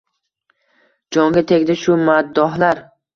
Jonga tegdi shu maddohlar.